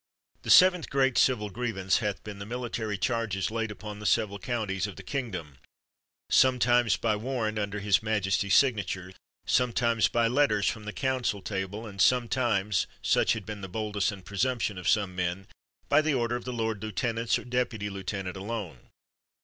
The seventh great civil grievance hath been the military charges laid upon the several coun ties of the kingdom — sometimes by warrant un der his majesty's signature, sometimes by letters from the council table, and sometimes (such had been the boldness and presumption of some men) by the order of the lord lieutenants, or deputy lieutenant alone.